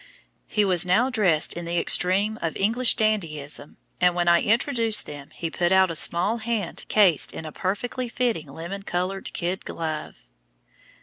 He was now dressed in the extreme of English dandyism, and when I introduced them, he put out a small hand cased in a perfectly fitting lemon colored kid glove.